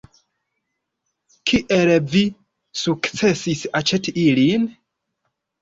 Kiel vi sukcesis aĉeti ilin?